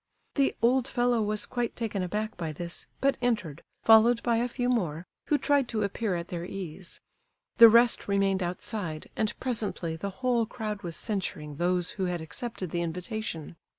The old fellow was quite taken aback by this, but entered, followed by a few more, who tried to appear at their ease. The rest remained outside, and presently the whole crowd was censuring those who had accepted the invitation.